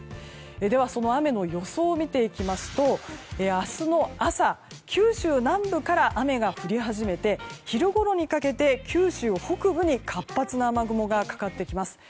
では、その雨の予想を見ていきますと明日の朝、九州南部から雨が降り始めて昼ごろにかけて九州北部に活発な雨雲がかかってきます。